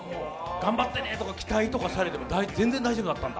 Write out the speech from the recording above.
頑張ってね！とか期待されても全然大丈夫だったんだ？